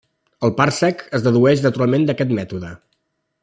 El parsec es dedueix naturalment d'aquest mètode.